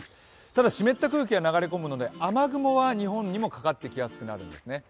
ただ湿った空気が流れ込むので雨雲は日本にもかかってきやすくなります。